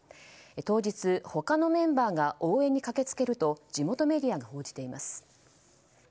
当日、他のメンバーが応援に駆けつけると地元メディアが報じています。